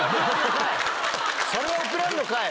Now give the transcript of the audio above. それは送らんのかい！